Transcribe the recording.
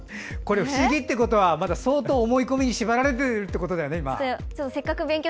不思議っていうことは相当、思い込みに縛られてるということだよね。